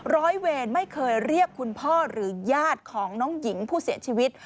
ร้อยเวรไม่เคยเรียกคุณพ่อหรือญาติของน้องหญิงผู้เสียชีวิต